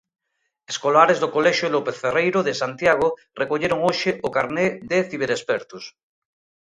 Escolares do colexio López Ferreiro de Santiago recolleron hoxe o carné de ciberexpertos.